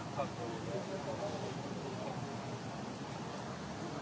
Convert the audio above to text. โปรดติดตามตอนต่อไป